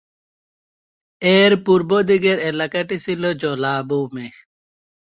এর পূর্বদিকের এলাকাটি ছিল জলাভূমি।